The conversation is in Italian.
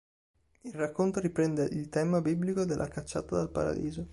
Il racconto riprende il tema biblico della cacciata dal paradiso.